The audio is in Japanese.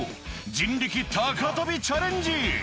人力高跳びチャレンジ。